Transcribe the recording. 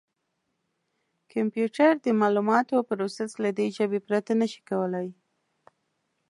کمپیوټر د معلوماتو پروسس له دې ژبې پرته نه شي کولای.